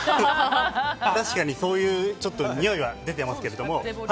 確かにそういうにおいは出てますけど。